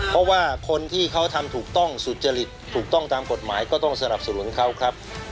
เพราะว่าคนที่เขาทำถูกต้องสุจริตถูกต้องตามกฎหมายก็ต้องสนับสนุนเขาครับ